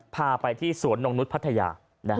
พาไปที่สวนนงนุษย์พัทยา